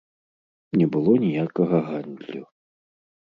Не было ніякага гандлю.